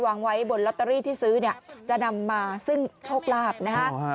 วางไว้บนลอตเตอรี่ที่ซื้อเนี่ยจะนำมาซึ่งโชคลาภนะฮะ